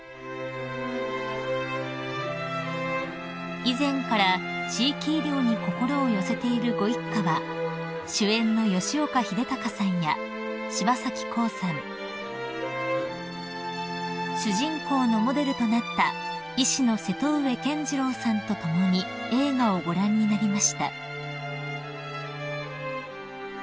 ［以前から地域医療に心を寄せているご一家は主演の吉岡秀隆さんや柴咲コウさん主人公のモデルとなった医師の瀬戸上健二郎さんと共に映画をご覧になりました］